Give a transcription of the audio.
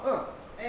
え